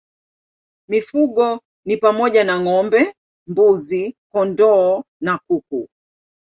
Mifugo ni pamoja na ng'ombe, mbuzi, kondoo na kuku.